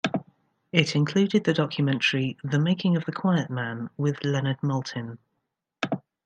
It included the documentary "The Making of the Quiet Man" with Leonard Maltin.